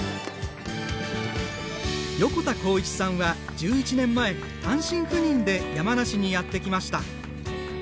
横田孝一さんは、１１年前単身赴任で山梨にやってきました。